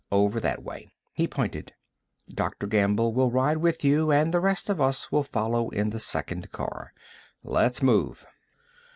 Over that way." He pointed. "Dr. Gamble will ride with you, and the rest of us will follow in the second car. Let's move."